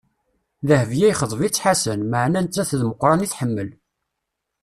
Dehbiya ixḍeb-itt Ḥasan, maɛna nettat d Meqran i tḥemmel.